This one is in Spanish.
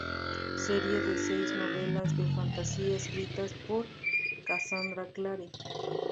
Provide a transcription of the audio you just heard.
Serie de seis novelas de fantasía escritas por Cassandra Clare.